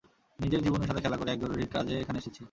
নিজের জীবনের সাথে খেলা করে এক জরুরি কাজে এখানে এসেছি।